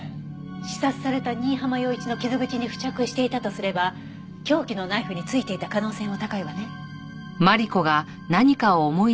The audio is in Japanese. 刺殺された新浜陽一の傷口に付着していたとすれば凶器のナイフに付いていた可能性も高いわね。